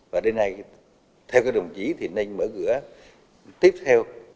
và đây này theo các đồng chí thì nên mở cửa tiếp theo